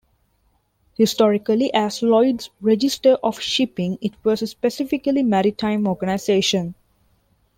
Historically, as Lloyd's Register of Shipping, it was a specifically maritime organisation.